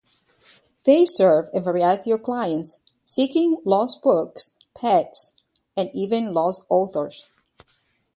They serve a variety of clients, seeking lost books, pets, and even lost authors!